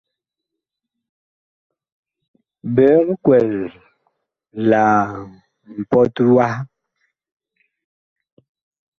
Biig kwɛl la mpɔt waha.